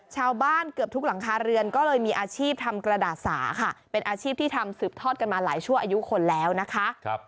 เกือบทุกหลังคาเรือนก็เลยมีอาชีพทำกระดาษสาค่ะเป็นอาชีพที่ทำสืบทอดกันมาหลายชั่วอายุคนแล้วนะคะ